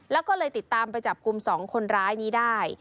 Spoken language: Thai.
แล้วก็เลยติดตามไปจับกลุ่ม๒คนร้ายนี้ได้